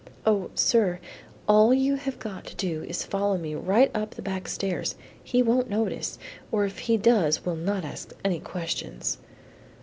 "O sir, all you have got to do is to follow me right up the back stairs; he won't notice, or if he does will not ask any questions."